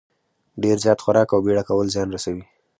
ډېر زیات خوراک او بېړه کول زیان رسوي.